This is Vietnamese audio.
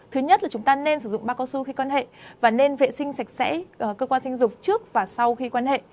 thứ nhất là chúng ta nên sử dụng ba cao su khi quan hệ và nên vệ sinh sạch sẽ cơ quan sinh dục trước và sau khi quan hệ